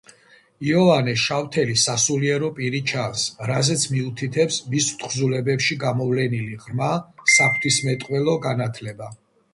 იოანე შავთელი სასულიერო პირი ჩანს, რაზეც მიუთითებს მის თხზულებებში გამოვლენილი ღრმა საღვთისმეტყველო განათლება.